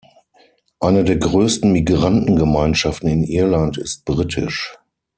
Eine der größten Migrantengemeinschaften in Irland ist britisch.